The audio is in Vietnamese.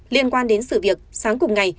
liên quan đến sự việc sáng cùng ngày